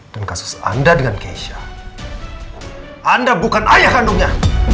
dan kasus anda dengan keisha anda bukan ayah kandungnya